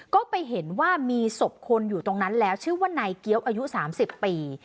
ก็ไปเห็นว่ามีศพคนอยู่ตรงนั้นแล้วชื่อว่านายเกี้ยวอายุ๓๐ปี